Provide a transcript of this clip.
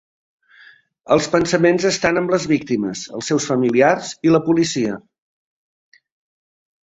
Els pensaments estan amb les víctimes, els seus familiars i la policia.